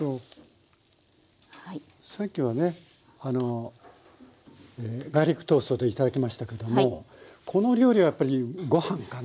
さっきはねガーリックトーストで頂きましたけどもこの料理はやっぱりご飯かな？